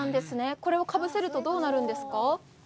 これをかぶせると、どうなるんですか？